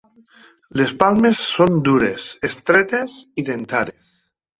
Les palmes són dures, estretes i dentades.